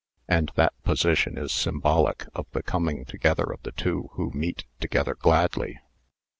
And that position is symbolic of the coming together of the two who meet together gladly.